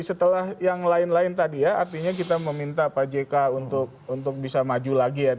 setelah yang lain lain tadi ya artinya kita meminta pak jk untuk bisa maju lagi ya